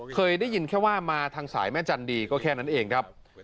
เคยได้ยินแค่ว่ามาทางสายแม่จันดีก็แค่นั้นเองครับ